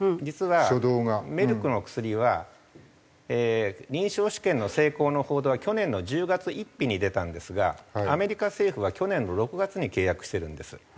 実はメルクの薬は臨床試験の成功の報道は去年の１０月１日に出たんですがアメリカ政府は去年の６月に契約してるんです。